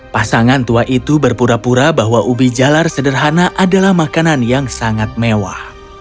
pasangan tua itu berpura pura bahwa ubi jalar sederhana adalah makanan yang sangat mewah